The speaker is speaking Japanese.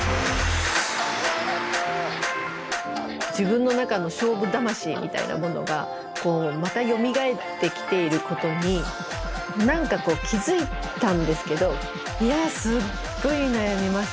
自分の中の勝負魂みたいなものがまたよみがえってきていることに何か気付いたんですけどいやすっごい悩みましたね。